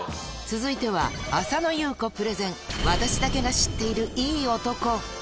続いては、浅野ゆう子プレゼン、私だけが知っているいい男。